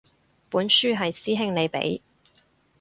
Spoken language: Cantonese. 本書係師兄你畀